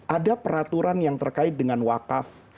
ada peraturan yang terkait dengan wakaf